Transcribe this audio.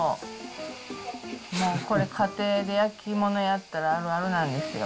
もうこれ、家庭で焼き物やったらあるあるなんですよ。